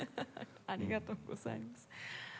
ありがとうございます。